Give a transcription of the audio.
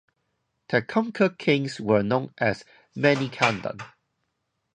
Thekkumkur kings were known as Manikandan.